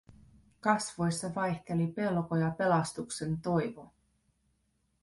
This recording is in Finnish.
Kasvoissa vaihteli pelko ja pelastuksen toivo.